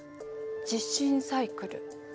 地震サイクル。